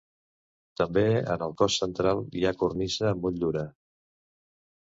També en el cos central hi ha cornisa amb motllura.